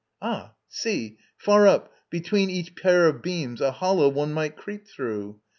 Ah, see; far up, between each pair of beams A hollow one might creep through!